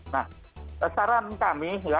nah saran kami ya